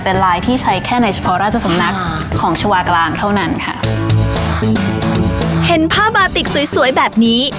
เป็นลายที่ใช้แค่ในเฉพาะราชสำนักของชาวากลางเท่านั้นค่ะเห็นผ้าบาติกสวยสวยแบบนี้